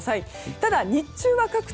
ただ、日中は各地